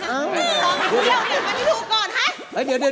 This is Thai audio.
เดี๋ยวเราไปพิโดค่ะ